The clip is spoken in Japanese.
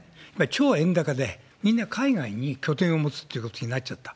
超円高で、みんな海外に拠点を持つってことになっちゃった。